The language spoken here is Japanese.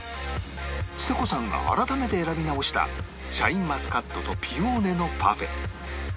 ちさ子さんが改めて選び直したシャインマスカットとピオーネのパフェ